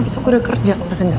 ya udah jalan